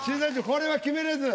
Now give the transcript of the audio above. これは決めれず？